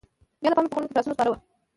بیا د پامیر په غرونو کې پر آسونو سپاره وو.